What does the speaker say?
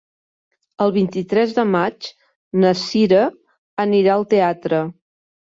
El vint-i-tres de maig na Sira anirà al teatre.